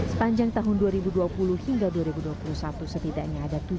sepanjang tahun dua ribu dua puluh hingga dua ribu dua puluh satu setidaknya ada tujuh ratus orang yang berdolatan